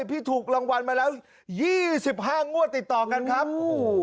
พี่ถูกรางวัลมาแล้ว๒๕งวดติดต่อกันครับ